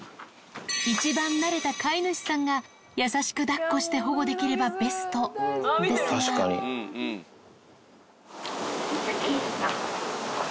一番なれた飼い主さんが優しくだっこして保護できればベストみづき。